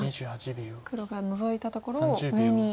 黒がノゾいたところを上に。